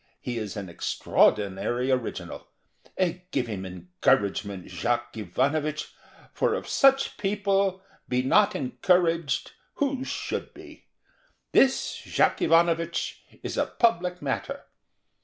He is an extraordinary original. Give him encouragement, Jacques Ivanovich, for of such people be not encouraged, who should be? This, Jacques Ivanovich, is a public matter."